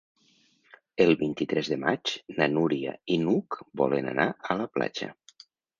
El vint-i-tres de maig na Núria i n'Hug volen anar a la platja.